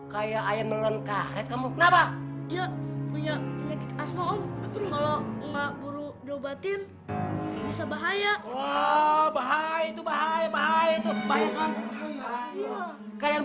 kaya ayam melawan karet kamu kenapa